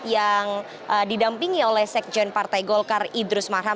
yang didampingi oleh sekjen partai golkar idrus marham